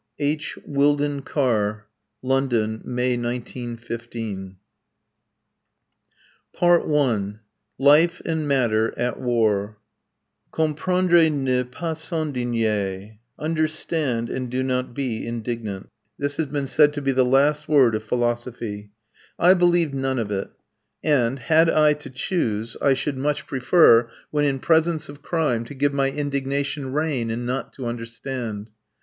H. WILDON CARR LONDON, May 1915 LIFE AND MATTER AT WAR LIFE AND MATTER AT WAR "Comprendre et ne pas s'indigner": this has been said to be the last word of philosophy. I believe none of it; and, had I to choose, I should much prefer, when in presence of crime, to give my indignation rein and not to understand.